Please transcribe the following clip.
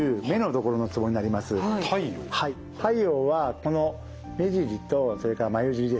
太陽はこの目尻とそれからまゆ尻ですね